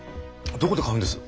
どこで買うんです？